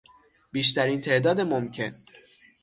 بیشترین تعداد ممکن